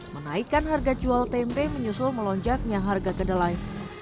menaikkan harga jual tempe menyusul melonjaknya harga kedelai